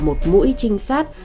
một mũi trinh sát